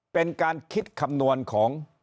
เป็นการคิดคำนวณของ